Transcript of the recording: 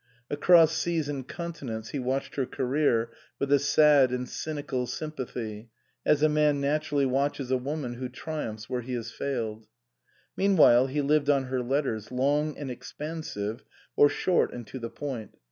Across seas and continents he watched her career with a sad and cynical sympathy, as a man naturally watches a woman who triumphs where he has failed. Meanwhile he lived on her letters, long and ex pansive, or short and to the point.